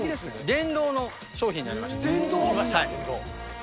電動の商品になりまして。